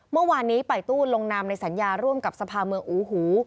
เมื่อวานนี้ป่ายตู้ลงนามในสัญญาร่วมกับสภาเมืองอูหู